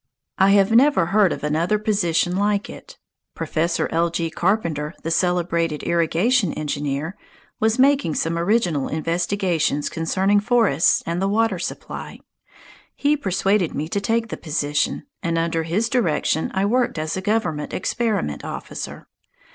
I have never heard of another position like it. Professor L. G. Carpenter, the celebrated irrigation engineer, was making some original investigations concerning forests and the water supply. He persuaded me to take the position, and under his direction I worked as a government experiment officer.